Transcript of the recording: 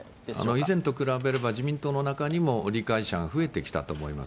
以前と比べれば、自民党の中にも理解者が増えてきたと思います。